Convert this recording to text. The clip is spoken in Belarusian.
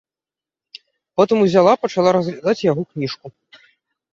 Потым узяла, пачала разглядаць яго кніжку.